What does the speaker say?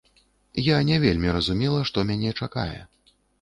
Я не вельмі разумела, што мяне чакае.